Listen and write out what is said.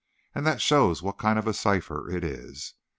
And that shows what kind of a cipher it is.